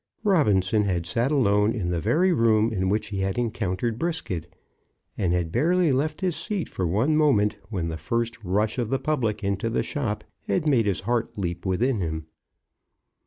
Robinson had sat alone in the very room in which he had encountered Brisket, and had barely left his seat for one moment when the first rush of the public into the shop had made his heart leap within him.